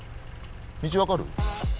道分かる？